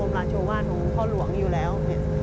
และมุมหลาชวนว่าของพระลวงอยู่แล้ว